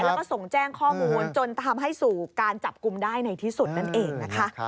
แล้วก็ส่งแจ้งข้อมูลจนทำให้สู่การจับกลุ่มได้ในที่สุดนั่นเองนะคะ